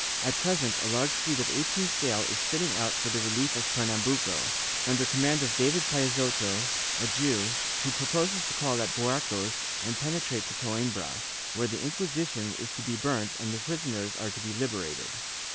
At present a large fleet of eighteen sail is fitting out for the relief of Pernambuco, under command of David Peixoto, a Jew, who proposes to call at Buarcos and penetrate to Coimbra, where the Inquisition is to be burnt and the prisoners are to be liberated.